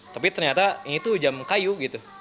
tapi ternyata ini tuh jam kayu gitu